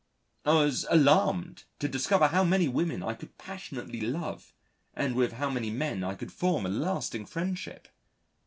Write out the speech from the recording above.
I was alarmed to discover how many women I could passionately love and with how many men I could form a lasting friendship.